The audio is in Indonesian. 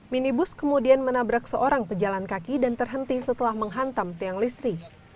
minibus kemudian menabrak seorang pejalan kaki dan terhenti setelah menghantam tiang listrik